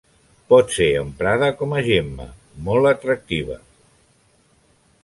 Pot ser emprada com a gemma, molt atractiva.